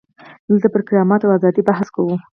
دلته پر کرامت او ازادۍ بحث کوو.